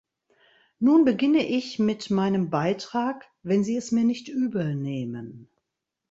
Nun beginne ich mit meinem Beitrag, wenn Sie es mir nicht übelnehmen.